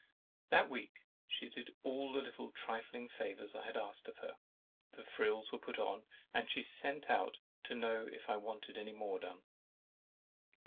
That week she did all the little trifling favours I had asked of her. The frills were put on, and she sent up to know if I wanted any more done.